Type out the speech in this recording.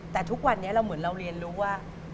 แต่ทุกวันนี้เราเหมือนเราเรียนรู้ว่า